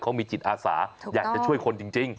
เขามีจิตอาสาอยากจะช่วยคนจริง